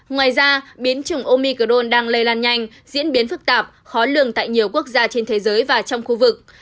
ngoài ra biến chủng omicron đang lây lan nhanh diễn biến phức tạp khó lường tại nhiều quốc gia trên thế giới và trong khu vực